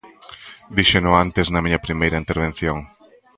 Díxeno antes na miña primeira intervención.